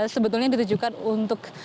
sebetulnya ditujukan untuk